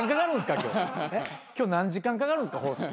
今日何時間かかるんすか？